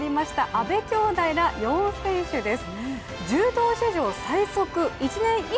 阿部きょうだいら４選手です。